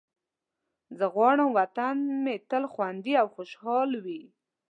زه غواړم وطن مې تل خوندي او خوشحال وي.